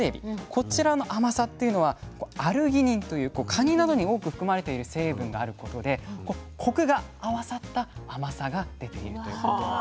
こちらの甘さっていうのはアルギニンというカニなどに多く含まれている成分があることでコクが合わさった甘さが出ているということなんですね。